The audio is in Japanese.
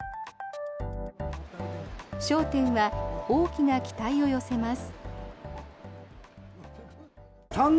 商店は大きな期待を寄せます。